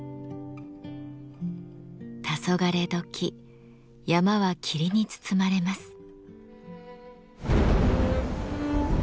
たそがれ時山は霧に包まれます。